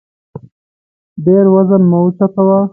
ډېر وزن مه اوچتوه